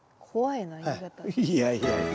いやいやいや。